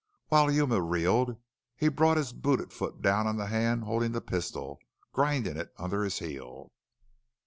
While Yuma reeled he brought his booted foot down on the hand holding the pistol, grinding it under his heel.